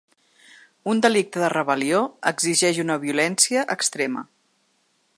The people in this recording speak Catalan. Un delicte de rebel·lió exigeix una violència extrema.